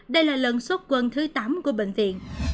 đây là lần xuất quân thứ tám của bệnh viện